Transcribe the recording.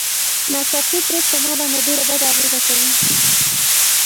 ناڅاپي بريک ما باندې ډېره بده اغېزه کوي.